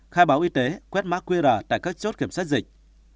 khai báo y tế quét mã qr tại các chốt kiểm soát dịch